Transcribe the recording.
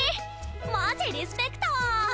マジリスペクト！